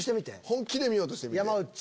本気で見ようとしてみて！